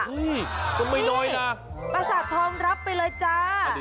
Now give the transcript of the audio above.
ก็ไม่น้อยนะประสาททองรับไปเลยจ้า